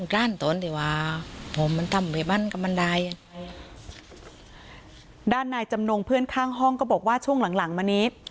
ด้านนายจำนงเพื่อนข้างห้องก็บอกว่าช่วงหลังหลังมานี้